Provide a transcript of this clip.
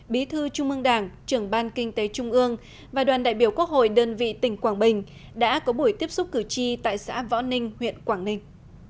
bí thư trung ương đảng trưởng ban kinh tế trung ương và đoàn đại biểu quốc hội đơn vị tỉnh quảng bình đã có buổi tiếp xúc cử tri tại xã võ ninh huyện quảng ninh